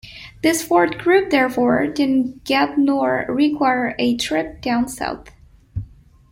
This fourth group therefore, did not get nor require a Trip down South.